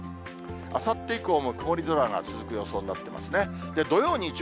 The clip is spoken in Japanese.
あさって以降も曇り空が続く予想になってますね。